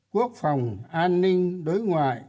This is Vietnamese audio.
quốc phòng an ninh đối ngoại